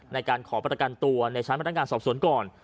ในการขอประกันตัวในชั้นพนักงานสอบสวนก่อน